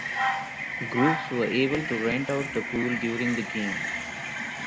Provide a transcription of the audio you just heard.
Groups were able to rent out the pool during the game.